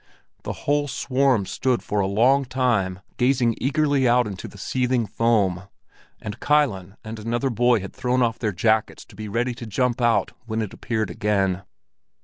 The whole swarm stood for a long time gazing eagerly out into the seething foam, and Kilen and another boy had thrown off their jackets to be ready to jump out when it appeared again.